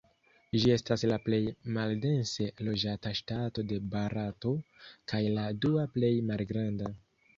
Ĝi estas la plej maldense loĝata ŝtato de Barato, kaj la dua plej malgranda.